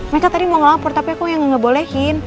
mereka tadi mau ngelapor tapi kok gak ngebolehin